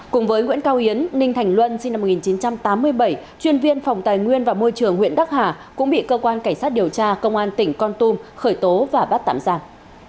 cùng với nguyễn cao yến ninh thành luân sinh năm một nghìn chín trăm tám mươi bảy chuyên viên phòng tài nguyên và môi trường huyện đắc hà cũng bị cơ quan cảnh sát điều tra công an tỉnh con tum khởi tố và bắt tạm giam